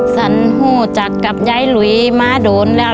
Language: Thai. สังหวัยจากกับยายหลุยมาฝังแล้ว